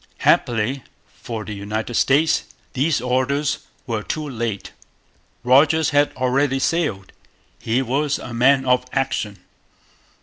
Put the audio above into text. Happily for the United States, these orders were too late. Rodgers had already sailed. He was a man of action.